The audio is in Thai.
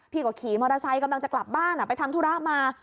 ขี่มอเตอร์ไซค์กำลังจะกลับบ้านไปทำธุระมา